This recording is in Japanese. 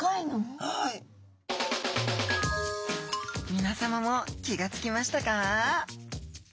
みなさまも気が付きましたか？